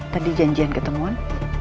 tadi janjian ketemuan